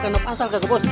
kan apa asal kak bos